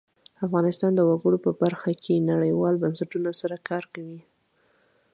افغانستان د وګړي په برخه کې نړیوالو بنسټونو سره کار کوي.